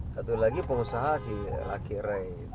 satu lagi pengusaha si laki ray